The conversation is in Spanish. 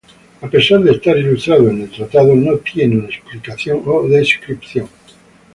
A pesar de estar ilustrado en el tratado, no tiene una explicación o descripción.